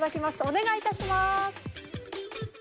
お願いいたします。